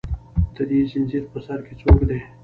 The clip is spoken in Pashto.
د دې زنځیر په سر کې څوک دي